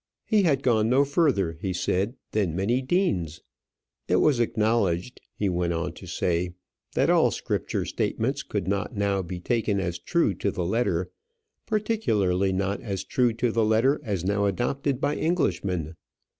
He had gone no further, he said, than many deans. It was acknowledged, he went on to say, that all Scripture statements could not now be taken as true to the letter; particularly not as true to the letter as now adopted by Englishmen.